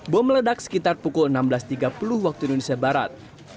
bom meledak sekitar pukul enam belas tiga puluh waktu indonesia barat